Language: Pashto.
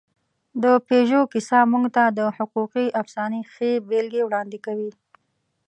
د پيژو کیسه موږ ته د حقوقي افسانې ښې بېلګې وړاندې کوي.